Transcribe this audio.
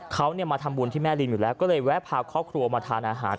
เขามาทำบุญที่แม่ลิงอยู่แล้วก็เลยแวะพาครอบครัวมาทานอาหาร